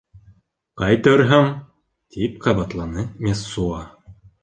— Ҡайтырһың! — тип ҡабатланы Мессуа.